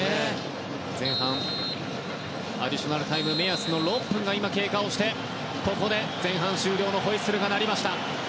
前半アディショナルタイム６分経過してここで前半終了のホイッスルが鳴りました。